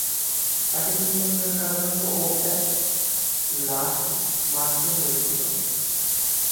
তাকে তিন বছরের কারাদণ্ড এবং এক লাশ মারতে হয়েছিল।